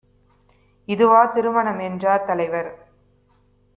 இதுவா திருமணம் என்றார் தலைவர்.